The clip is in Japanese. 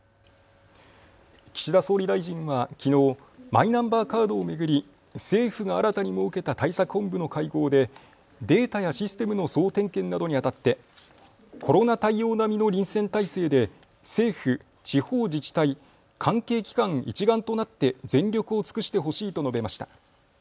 岸田総理大臣はきのうマイナンバーカードを巡り政府が新たに設けた対策本部の会合で、データやシステムの総点検などにあたってコロナ対応並みの臨戦態勢で政府、地方自治体、関係機関一丸となって全力を尽くしてほしいと述べました。